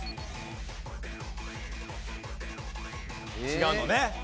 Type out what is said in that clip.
違うのね。